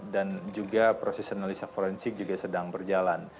dan juga proses analisa forensik juga sedang berjalan